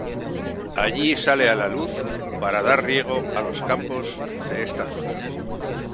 Allí sale a la luz, para dar riego a los campos de esta zona.